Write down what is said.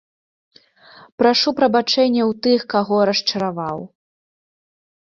Прашу прабачэння ў тых, каго расчараваў.